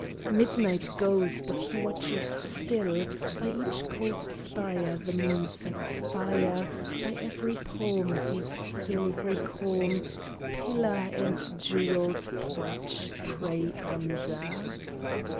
Midnight goes, but he watches still By each cold spire the moon sets fire, By every palm Whose silvery calm Pillar and jewelled porch pray under.